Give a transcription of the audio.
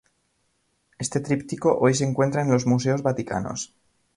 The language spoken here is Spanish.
Este tríptico hoy se encuentra en los Museos Vaticanos.